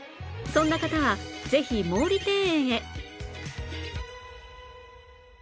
そんな方はぜひ毛利庭園へ